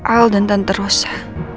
al dan tante rosa